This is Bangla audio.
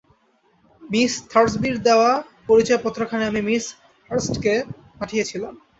মিস থার্সবির দেওয়া পরিচয়পত্রখানি আমি মিসেস হার্স্টকে পাঠিয়েছিলাম।